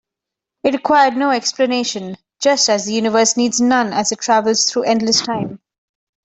It required no explanation, just as the universe needs none as it travels through endless time.